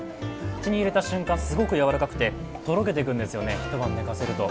口に入れた瞬間、すごくやわらかくてとろけていくんですよね、一晩寝かせると。